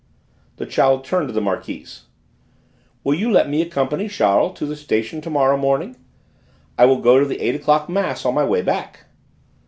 The child turned to the Marquise. "Will you let me accompany Charles to the station to morrow morning? I will go to the eight o'clock mass on my way back."